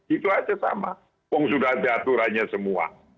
itu aja sama wong sudah ada aturannya semua